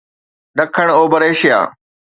ڏکڻ اوڀر ايشيا